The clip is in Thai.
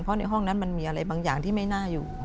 เพราะในห้องนั้นมันมีอะไรบางอย่างที่ไม่น่าอยู่